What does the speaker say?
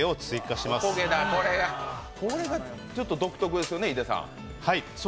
これ独特ですよね？